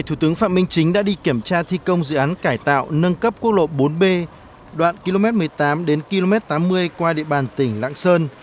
thủ tướng phạm minh chính đã đi kiểm tra thi công dự án cải tạo nâng cấp quốc lộ bốn b đoạn km một mươi tám đến km tám mươi qua địa bàn tỉnh lạng sơn